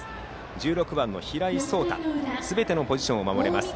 １６番の平井創大はすべてのポジションを守れます。